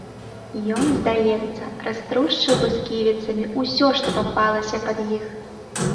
Ён, здаецца, раструшчыў бы сківіцамі ўсё, што папалася пад іх.